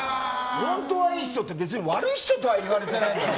本当はいい人って別に悪い人とは言われてないよ。